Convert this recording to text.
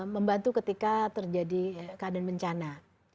membantu ketika terjadi keadaan bencana